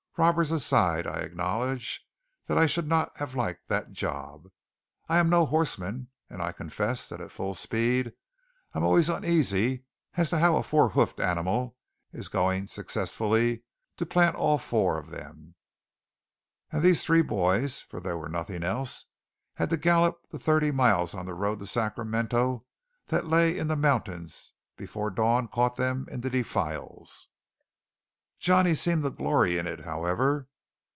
Robbers aside, I acknowledge I should not have liked that job. I am no horseman, and I confess that at full speed I am always uneasy as to how a four hoofed animal is going successfully to plant all four of them. And these three boys, for they were nothing else, had to gallop the thirty miles of the road to Sacramento that lay in the mountains before dawn caught them in the defiles. Johnny seemed to glory in it, however.